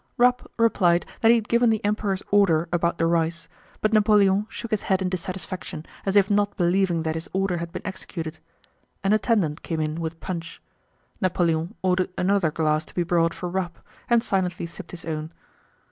Rapp replied that he had given the Emperor's order about the rice, but Napoleon shook his head in dissatisfaction as if not believing that his order had been executed. An attendant came in with punch. Napoleon ordered another glass to be brought for Rapp, and silently sipped his own.